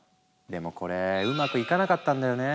でもこれうまくいかなかったんだよね。